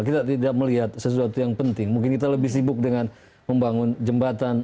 kita tidak melihat sesuatu yang penting mungkin kita lebih sibuk dengan membangun jembatan